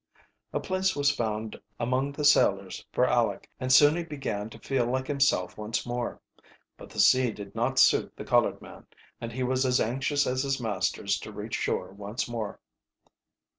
A place was found among the sailors for Aleck, and soon he began to feel like himself once more. But the sea did not suit the colored man, and he was as anxious as his masters to reach shore once more.